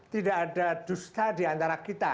tidak ada dusta diantara kita